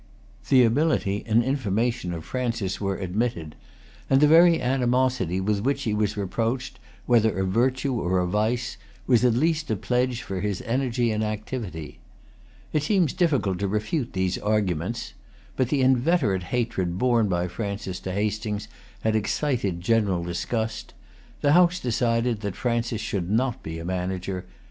The ability and information of Francis were admitted; and the very animosity with which he was reproached, whether a virtue or a vice, was at least a pledge for his energy and activity. It seems difficult to refute these arguments. But the inveterate hatred borne by Francis to Hastings had excited general disgust. The House decided that Francis should not be a manager.